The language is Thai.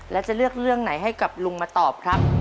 แล้วจะเลือกเรื่องไหนให้กับลุงมาตอบครับ